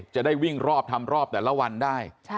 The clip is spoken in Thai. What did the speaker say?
จะได้วิ่งรอบทำรอบแต่ละวันได้